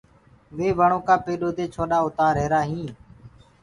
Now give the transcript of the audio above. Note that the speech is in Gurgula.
وي وڻو ڪآ پيڏو دي ڇوڏآ اُتآر رهيرآ هينٚ۔